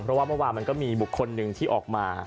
เพราะว่าเมื่อวานมันก็มีบุคคลหนึ่งที่ออกมา